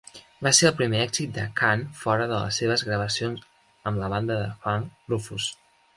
Va ser el primer èxit de Khan fora de les seves gravacions amb la banda de funk Rufus.